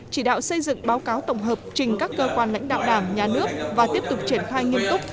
chỉ đạo xây dựng báo cáo tổng hợp trình các cơ quan lãnh đạo đảng nhà nước và tiếp tục triển khai nghiêm túc